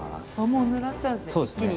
もうぬらしちゃうんですね